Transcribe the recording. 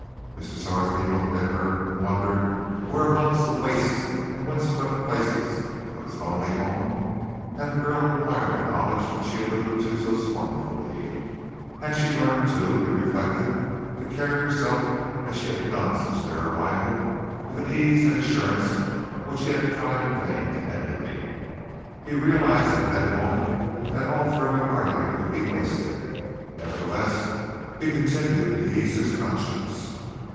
Mr. Sarsby looked at her and wondered where amongst the wastes and wind swept places of his lonely home had the girl acquired the knowledge which she alluded to so scornfully, had she learned, too, he reflected, to carry herself, as she had done since their arrival, with an ease and assurance which he had tried in vain to emulate. He realized at that moment that all further argument would be wasted. Nevertheless, he continued to ease his conscience.